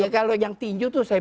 kalau yang tinju itu saya